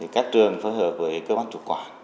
các trường phối hợp với cơ bản chủ quản